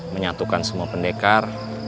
menyatukan semua pendekar